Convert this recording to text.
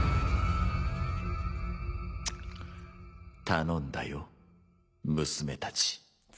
頼んだよ娘たち。